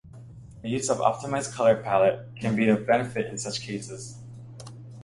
The use of an optimized color palette can be of benefit in such cases.